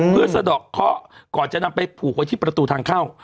เพื่อสะดอกเคาะก่อนจะนำไปผูกไว้ที่ประตูทางเข้า